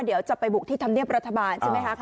เดี๋ยวจะไปบุกที่ธรรมเนียบรัฐบาลใช่ไหมคะ